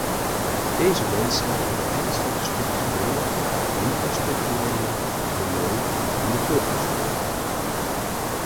Deze mensen hebben ernstige structurele, infrastructurele, milieu- en bevolkingsproblemen.